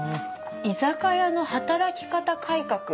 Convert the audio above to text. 「居酒屋の働き方改革」。